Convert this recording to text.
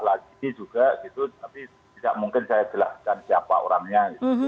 lagi juga gitu tapi tidak mungkin saya jelaskan siapa orangnya